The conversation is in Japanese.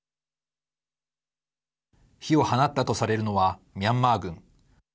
火を放ったとされるのはミャンマー軍。